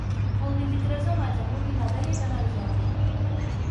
El vint-i-tres de maig en Lluc i na Dèlia iran a Algerri.